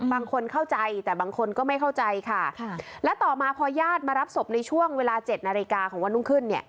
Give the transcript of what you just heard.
บางคนเข้าใจแต่บางคนก็ไม่เข้าใจค่ะและต่อมาพอญาติมารับศพในช่วงเวลา๗นาฬิกาของวันรุ่งขึ้นเนี่ย